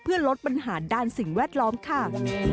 เพื่อลดปัญหาด้านสิ่งแวดล้อมค่ะ